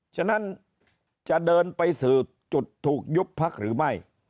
ฉะนั้นจะเดินไปสู่จุดถูกยุบพักหรือไม่